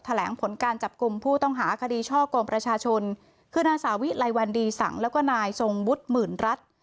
แหลงผลการจับกลุ่มผู้ต้องหาคดีช่อกงประชาชนคือนางสาวิไลวันดีสังแล้วก็นายทรงวุฒิหมื่นรัฐ